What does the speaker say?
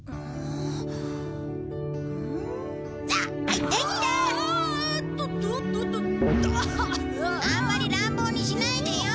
あんまり乱暴にしないでよ。